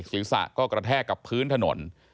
ศีรษะก็กระแทกกับพื้นถนน